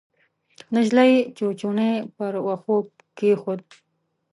نجلۍ چوچوڼی پر وښو کېښود.